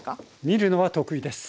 見るのは得意です！